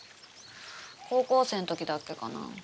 高校生の時だっけかな？